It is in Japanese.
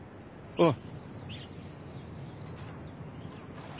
うん。